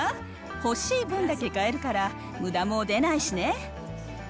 欲しい分だけ買えるから、むだも出ないしね。